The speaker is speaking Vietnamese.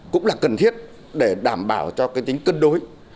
cũng là cần thiết để đảm bảo cho cái tính cân đối